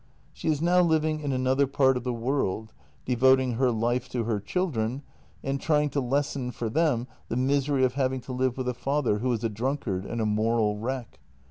She is now living in another part of the world, de voting her life to her children and trying to lessen for them the misery of having to live with a father who is a drunkard and a moral wreck.